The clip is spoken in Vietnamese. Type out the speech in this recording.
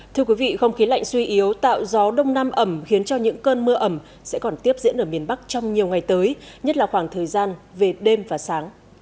thưa quý vị không khí lạnh suy yếu tạo gió đông nam ẩm khiến cho những cơn mưa ẩm sẽ còn tiếp diễn ở miền bắc trong nhiều ngày tới nhất là khoảng thời gian về đêm và sáng